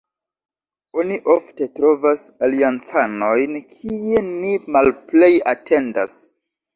Oni ofte trovas aliancanojn kie ni malplej atendas.